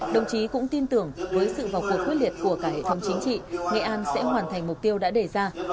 đồng chí cũng tin tưởng với sự vào cuộc quyết liệt của cả hệ thống chính trị nghệ an sẽ hoàn thành mục tiêu đã đề ra